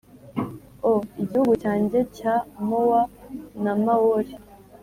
o, igihugu cyanjye cya moa na maori,